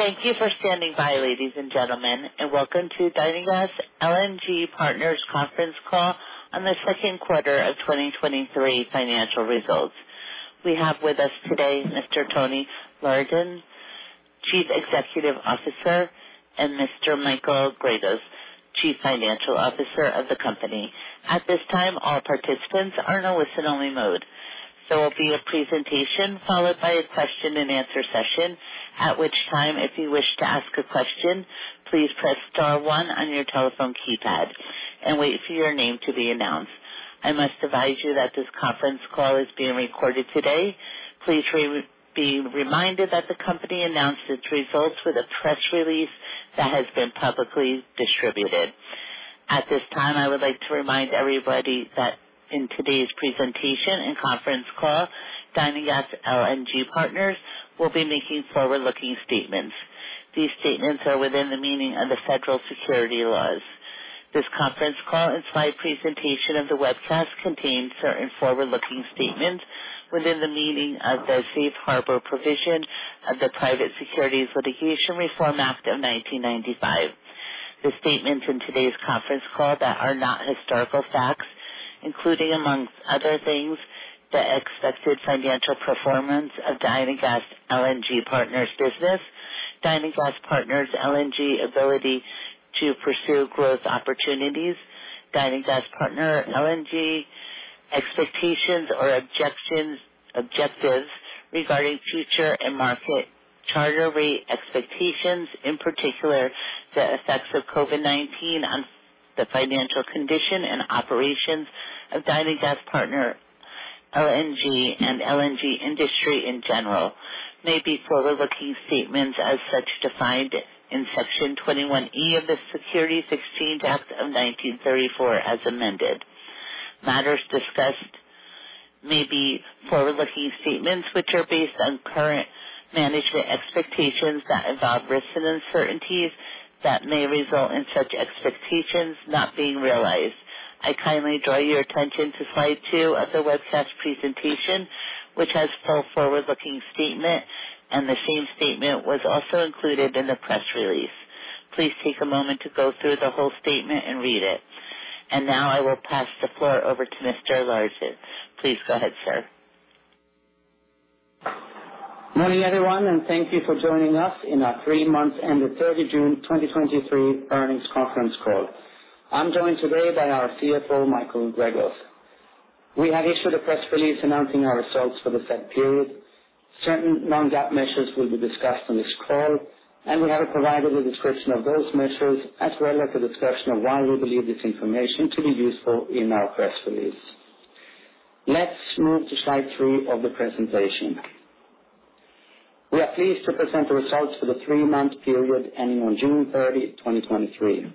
Thank you for standing by, ladies and gentlemen, and welcome to Dynagas LNG Partners conference call on the Q2 of 2023 Financial Results. We have with us today Mr. Tony Lauritzen, Chief Executive Officer, and Mr. Michael Gregos, Chief Financial Officer of the company. At this time, all participants are in a listen-only mode. There will be a presentation followed by a question-and-answer session, at which time, if you wish to ask a question, please press star one on your telephone keypad and wait for your name to be announced. I must advise you that this conference call is being recorded today. Please be reminded that the company announced its results with a press release that has been publicly distributed. At this time, I would like to remind everybody that in today's presentation and conference call, Dynagas LNG Partners will be making forward-looking statements. These statements are within the meaning of the federal securities laws. This conference call and slide presentation of the webcast contain certain forward-looking statements within the meaning of the Safe Harbor provision of the Private Securities Litigation Reform Act of 1995. The statements in today's conference call that are not historical facts, including, among other things, the expected financial performance of Dynagas LNG Partners business, Dynagas LNG Partners ability to pursue growth opportunities, Dynagas LNG Partners expectations or objectives regarding future and market charterer expectations, in particular, the effects of COVID-19 on the financial condition and operations of Dynagas LNG Partners and LNG industry in general, may be forward-looking statements as so defined in Section 21E of the Securities Exchange Act of 1934 as amended. Matters discussed may be forward-looking statements which are based on current management expectations that involve risks and uncertainties that may result in such expectations not being realized. I kindly draw your attention to slide two of the webcast presentation, which has full forward-looking statement, and the same statement was also included in the press release. Please take a moment to go through the whole statement and read it. Now I will pass the floor over to Mr. Lauritzen. Please go ahead, sir. Morning, everyone, and thank you for joining us on our 3 months ended June 30, 2023 earnings conference call. I'm joined today by our CFO, Michael Gregos. We have issued a press release announcing our results for the said period. Certain non-GAAP measures will be discussed on this call, and we have provided a description of those measures as well as a discussion of why we believe this information to be useful in our press release. Let's move to slide 3 of the presentation. We are pleased to present the results for the 3-month period ending on June 30, 2023.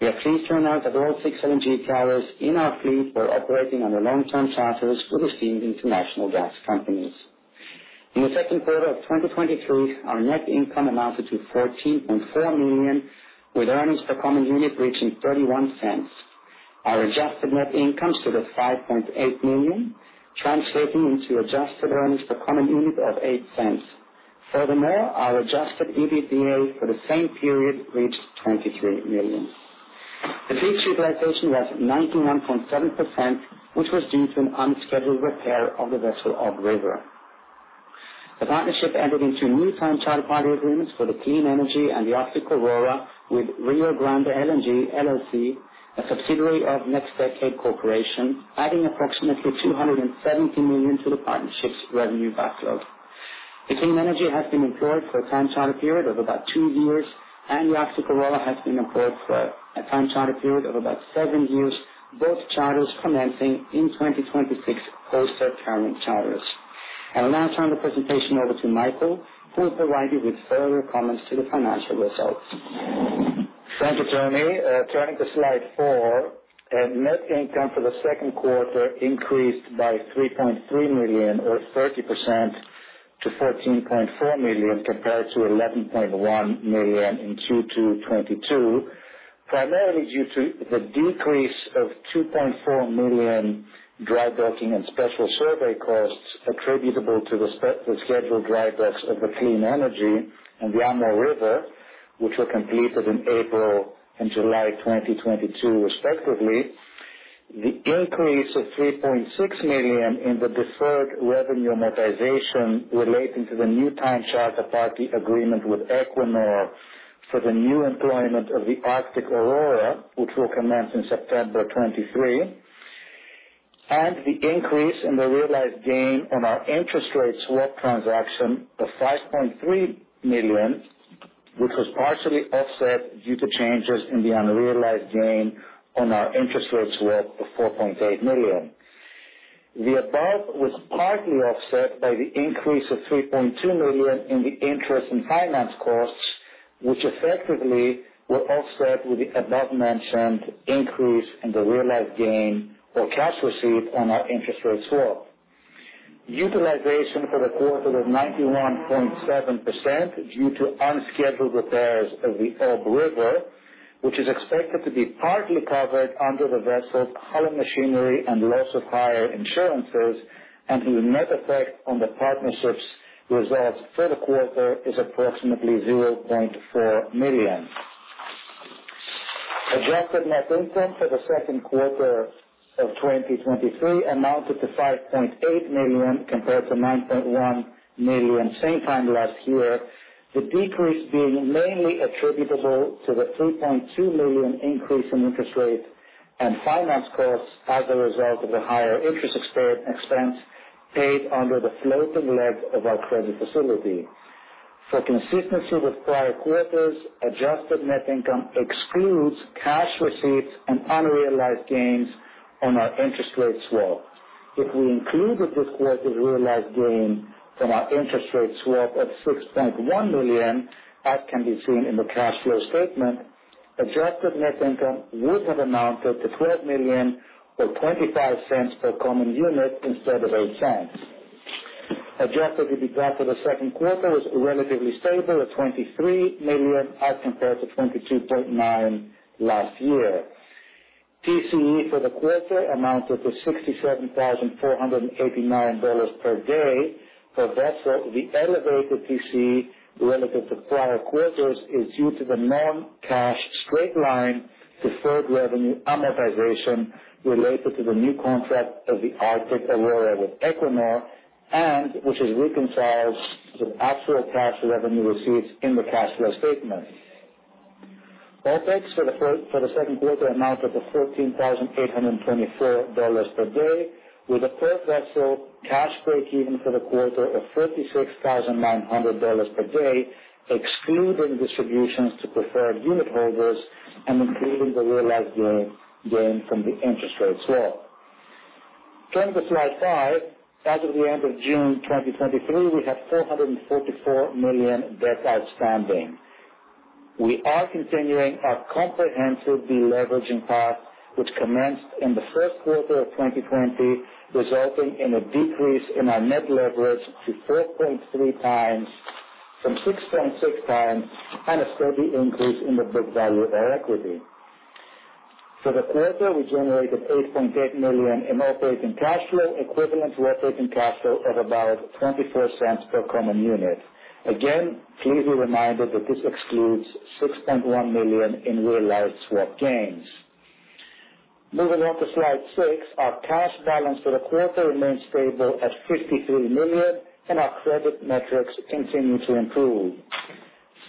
We are pleased to announce that all 6 LNG carriers in our fleet were operating under long-term charters with esteemed international gas companies. In the Q2 of 2023, our net income amounted to $14.4 million, with earnings per common unit reaching $0.31. Our adjusted net income to the $5.8 million, translating into adjusted earnings per common unit of $0.08. Furthermore, our adjusted EBITDA for the same period reached $23 million. The fleet utilization was 91.7%, which was due to an unscheduled repair of the vessel Ob River. The partnership entered into new time charter party agreements for the Clean Energy and the Arctic Aurora with Rio Grande LNG, LLC, a subsidiary of NextDecade Corporation, adding approximately $270 million to the partnership's revenue backlog. The Clean Energy has been employed for a time charter period of about two years, and the Arctic Aurora has been employed for a time charter period of about seven years, both charters commencing in 2026 post current charters. I'll now turn the presentation over to Michael, who will provide you with further comments to the financial results. Thank you, Tony. Turning to slide four, net income for the Q2 increased by $3.3 million or 30% to $14.4 million, compared to $11.1 million in Q2 2022. Primarily due to the decrease of $2.4 million dry docking and special survey costs attributable to the scheduled dry docks of the Clean Energy and the Amur River, which were completed in April and July 2022, respectively. The increase of $3.6 million in the deferred revenue amortization relating to the new time charter party agreement with Equinor for the new employment of the Arctic Aurora, which will commence in September 2023, and the increase in the realized gain on our interest rate swap transaction of $5.3 million, which was partially offset due to changes in the unrealized gain on our interest rate swap of $4.8 million. The above was partly offset by the increase of $3.2 million in the interest and finance costs, which effectively were offset with the above-mentioned increase in the realized gain or cash receipt on our interest rate swap. Utilization for the quarter was 91.7% due to unscheduled repairs of the Ob River. which is expected to be partly covered under the vessel hull and machinery and loss of hire insurances, and the net effect on the partnership's results for the quarter is approximately $0.4 million. Adjusted net income for the Q2 of 2023 amounted to $5.8 million, compared to $9.1 million same time last year. The decrease being mainly attributable to the $3.2 million increase in interest rate and finance costs as a result of the higher interest expense, expense paid under the floating leg of our credit facility. For consistency with prior quarters, adjusted net income excludes cash receipts and unrealized gains on our interest rate swap. If we included this quarter's realized gain on our interest rate swap of $6.1 million, as can be seen in the cash flow statement, adjusted net income would have amounted to $12 million, or $0.25 per common unit instead of $0.08. Adjusted EBITDA for the Q2 was relatively stable at $23 million, as compared to $22.9 million last year. TCE for the quarter amounted to $67,489 per day per vessel. The elevated TCE relative to prior quarters is due to the non-cash straight-line, deferred revenue amortization related to the new contract of the Arctic Aurora with Equinor, and which is reconciled to the actual cash revenue receipts in the cash flow statement. OPEX for the Q2 amounted to $14,824 per day, with a per-vessel cash breakeven for the quarter of $36,900 per day, excluding distributions to preferred unitholders and including the realized gain from the interest rate swap. Turning to slide five. As of the end of June 2023, we had $444 million debt outstanding. We are continuing our comprehensive deleveraging path, which commenced in the first quarter of 2020, resulting in a decrease in our net leverage to 4.3 times from 6.6 times and a steady increase in the book value of our equity. For the quarter, we generated $8.8 million in operating cash flow, equivalent to operating cash flow of about $0.24 per common unit. Again, please be reminded that this excludes $6.1 million in realized swap gains. Moving on to slide 6. Our cash balance for the quarter remains stable at $53 million, and our credit metrics continue to improve.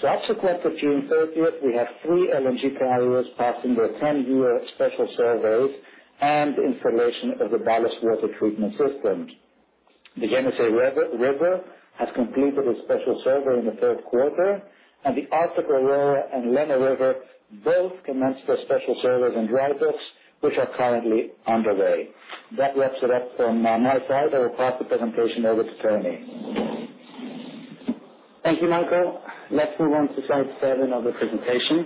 Subsequent to June 30, we had three LNG carriers passing their 10-year special surveys and installation of the ballast water treatment system. The Yenisei River has completed a special survey in the third quarter, and the Arctic Aurora and Lena River both commenced their special surveys in dry docks, which are currently underway. That wraps it up from my side. I will pass the presentation over to Tony. Thank you, Michael. Let's move on to slide 7 of the presentation.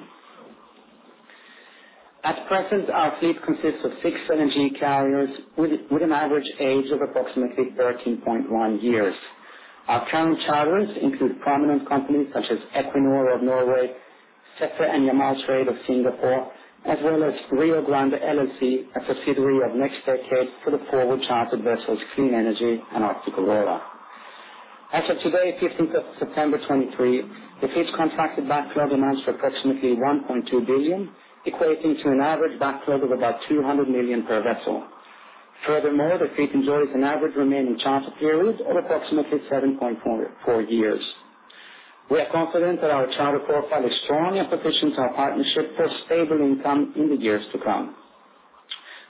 At present, our fleet consists of 6 LNG carriers with an average age of approximately 13.1 years. Our current charters include prominent companies such as Equinor of Norway, SEFE and Yamal Trade of Singapore, as well as Rio Grande LLC, a subsidiary of NextDecade, for the forward-chartered vessels, Clean Energy and Arctic Aurora. As of today, fifteenth of September 2023, the fleet's contracted backlog amounts to approximately $1.2 billion, equating to an average backlog of about $200 million per vessel. Furthermore, the fleet enjoys an average remaining charter period of approximately 7.44 years. We are confident that our charter profile is strong and positions our partnership for stable income in the years to come.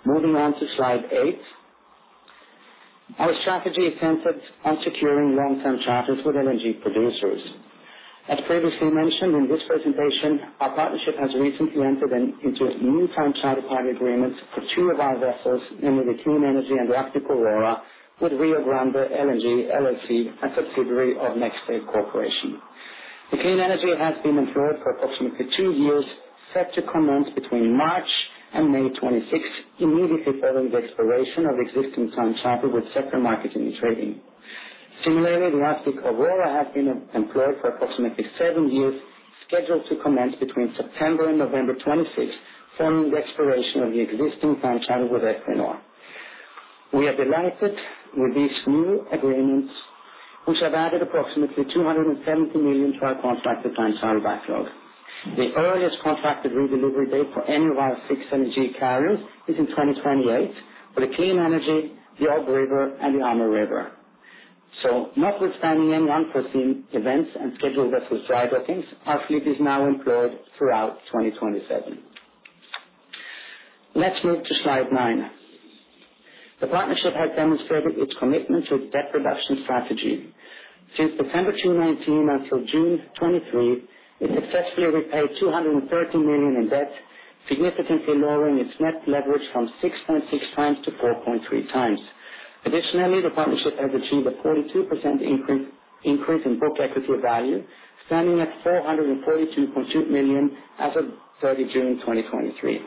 Moving on to slide 8. Our strategy is centered on securing long-term charters with LNG producers. As previously mentioned in this presentation, our partnership has recently entered into a new time charter party agreements for two of our vessels, namely the Clean Energy and Arctic Aurora, with Rio Grande LNG, LLC, a subsidiary of NextDecade Corporation. The Clean Energy has been employed for approximately two years, set to commence between March and May 26th, immediately following the expiration of existing time charter with Gazprom Marketing and Trading. Similarly, the Arctic Aurora has been employed for approximately seven years, scheduled to commence between September and November 25th, following the expiration of the existing time charter with Equinor. We are delighted with these new agreements, which have added approximately $270 million to our contracted time charter backlog. The earliest contracted redelivery date for any of our six LNG carriers is in 2028 for the Clean Energy, the Ob River and the Amur River. So notwithstanding any unforeseen events and scheduled vessel dry dockings, our fleet is now employed throughout 2027. Let's move to slide 9. The partnership has demonstrated its commitment to its debt reduction strategy. Since December 2019 until June 2023, it successfully repaid $230 million in debt, significantly lowering its net leverage from 6.6x to 4.3x. Additionally, the partnership has achieved a 42% increase in book equity value, standing at $442.2 million as of 30 June 2023.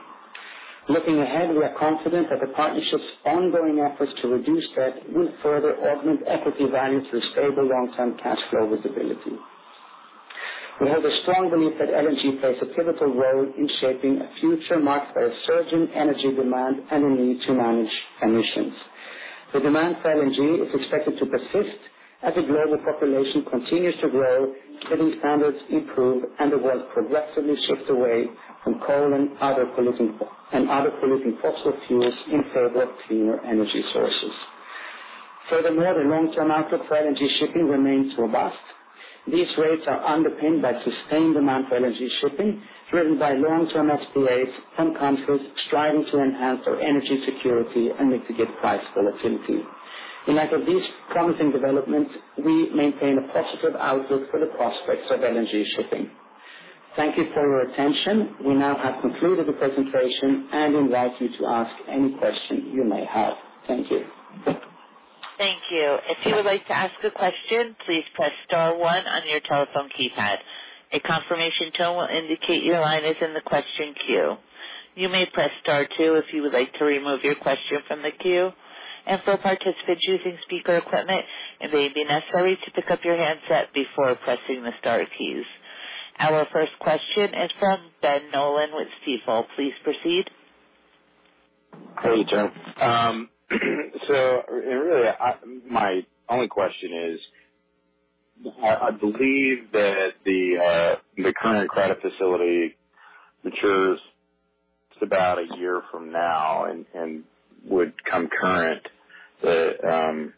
Looking ahead, we are confident that the partnership's ongoing efforts to reduce debt will further augment equity value through stable long-term cash flow visibility. We have a strong belief that LNG plays a pivotal role in shaping a future marked by a surging energy demand and a need to manage emissions. The demand for LNG is expected to persist as the global population continues to grow, living standards improve, and the world progressively shifts away from coal and other polluting, and other polluting fossil fuels in favor of cleaner energy sources. Furthermore, the long-term outlook for energy shipping remains robust. These rates are underpinned by sustained demand for energy shipping, driven by long-term SPAs from countries striving to enhance their energy security and mitigate price volatility. In light of these promising developments, we maintain a positive outlook for the prospects of LNG shipping. Thank you for your attention. We now have concluded the presentation and invite you to ask any questions you may have. Thank you. Thank you. If you would like to ask a question, please press star one on your telephone keypad. A confirmation tone will indicate your line is in the question queue. You may press star two if you would like to remove your question from the queue, and for participants using speaker equipment, it may be necessary to pick up your handset before pressing the star keys. Our first question is from Ben Nolan with Stifel. Please proceed. Great, Joe. So really, my only question is, I believe that the current credit facility matures about a year from now and would come current, that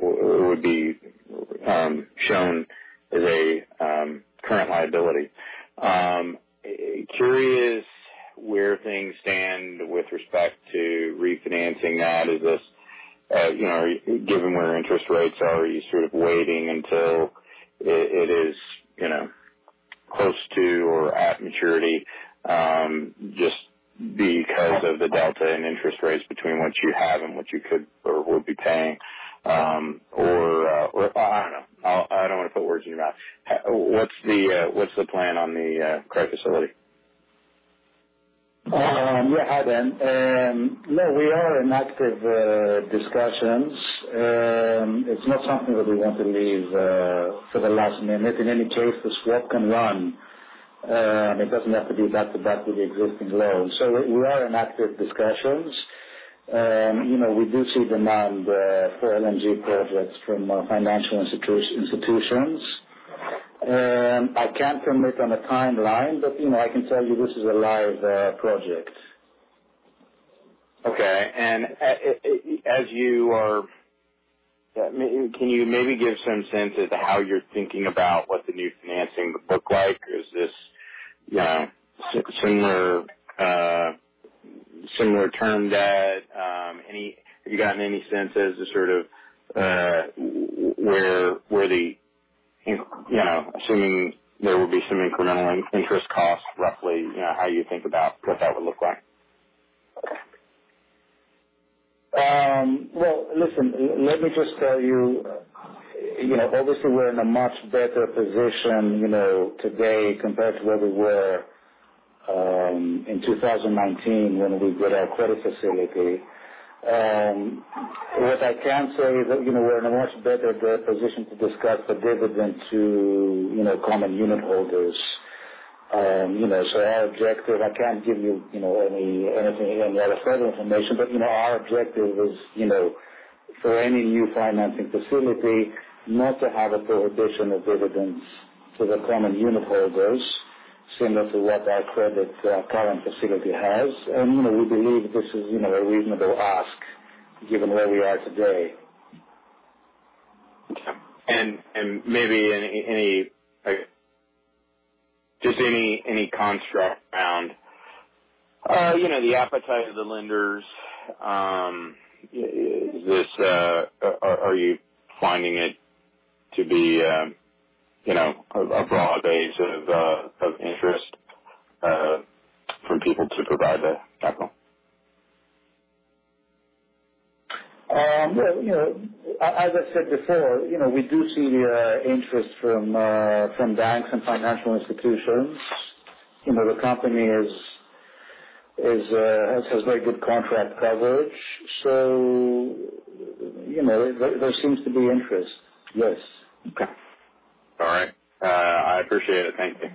would be shown as a current liability. Curious where things stand with respect to refinancing that. Is this, you know, given where interest rates are, are you sort of waiting until it is, you know, close to or at maturity, just because of the delta in interest rates between what you have and what you could or will be paying? Or I don't know. I don't want to put words in your mouth. What's the plan on the credit facility? Yeah, hi, Ben. No, we are in active discussions. It's not something that we want to leave for the last minute. In any case, the swap can run, it doesn't have to be back to back with the existing loan. So we are in active discussions. You know, we do see demand for LNG projects from financial institutions. I can't commit on a timeline, but, you know, I can tell you this is a live project. Okay. And as you can you maybe give some sense as to how you're thinking about what the new financing would look like? Is this, you know, similar term debt? Have you gotten any sense as to sort of, where the, you know, assuming there will be some incremental interest costs, roughly, you know, how you think about what that would look like? Well, listen, let me just tell you, you know, obviously, we're in a much better position, you know, today compared to where we were in 2019 when we did our credit facility. What I can say is that, you know, we're in a much better position to discuss the dividend to, you know, common unit holders. You know, so our objective, I can't give you, you know, any, anything in the way of credit information, but, you know, our objective is, you know, for any new financing facility, not to have a prohibition of dividends to the common unitholders, similar to what our credit current facility has. And, you know, we believe this is, you know, a reasonable ask given where we are today. Okay. And maybe any, like, just any construct around, you know, the appetite of the lenders. Are you finding it to be, you know, a broad base of interest, for people to provide the capital? Well, you know, as I said before, you know, we do see the interest from banks and financial institutions. You know, the company has very good contract coverage, so, you know, there seems to be interest. Yes. Okay. All right. I appreciate it. Thank you.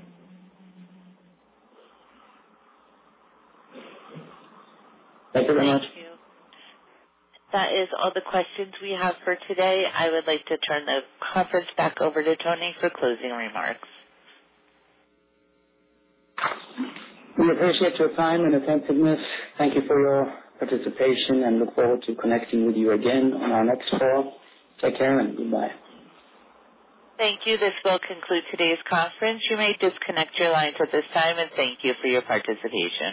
Thank you very much. Thank you. That is all the questions we have for today. I would like to turn the conference back over to Tony for closing remarks. We appreciate your time and attentiveness. Thank you for your participation, and look forward to connecting with you again on our next call. Take care and goodbye. Thank you. This will conclude today's conference. You may disconnect your lines at this time, and thank you for your participation.